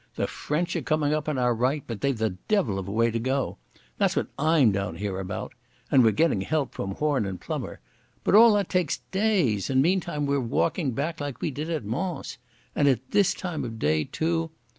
The French are coming up on our right, but they've the devil of a way to go. That's what I'm down here about. And we're getting help from Horne and Plumer. But all that takes days, and meantime we're walking back like we did at Mons. And at this time of day, too....